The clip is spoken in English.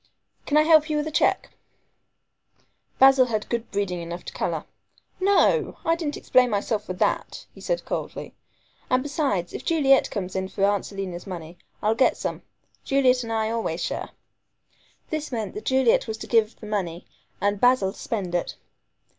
"Can I help you with a cheque?" Basil had good breeding enough to color. "No! I didn't explain myself for that," he said coldly, "and besides, if Juliet comes in for Aunt Selina's money, I'll get some. Juliet and I always share." This meant that Juliet was to give the money and Basil to spend it.